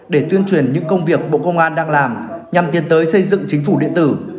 để tuyên truyền những công việc bộ công an đang làm nhằm tiến tới xây dựng chính phủ điện tử